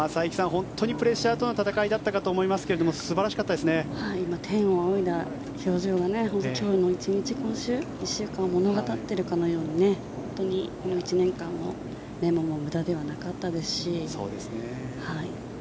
本当にプレッシャーとの戦いかと思いますが天を仰いだ表情が本当に今日の１日、今週１週間を物語っているかのように本当にこの１年間のメモも無駄ではなかったですし。